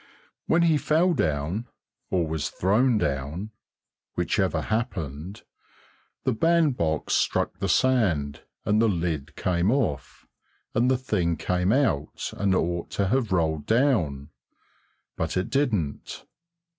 When he fell down, or was thrown down whichever happened the bandbox struck the sand, and the lid came off, and the thing came out and ought to have rolled down. But it didn't.